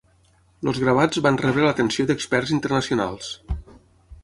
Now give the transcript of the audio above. Els gravats van rebre l'atenció d'experts internacionals.